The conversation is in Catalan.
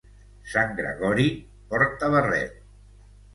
Sant Gregori porta barret.